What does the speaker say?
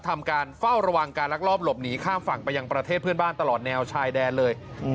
ทำการเฝ้าระวังการลักลอบหลบหนีข้ามฝั่งไปยังประเทศเพื่อนบ้านตลอดแนวชายแดนเลย